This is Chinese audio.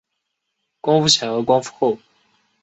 光复前光复后